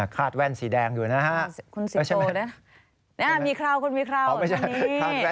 คาดแว่นสีแดงอยู่นะครับ